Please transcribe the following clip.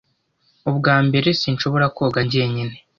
Ubwa mbere, sinshobora koga jyenyine